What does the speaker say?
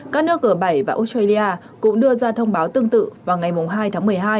các nước g bảy và australia cũng đưa ra thông báo tương tự vào ngày hai tháng một mươi hai